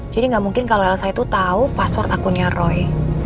jadi gak mungkin kalau elsa itu tau password akunnya roy